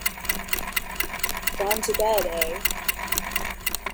Gone to bed, eh?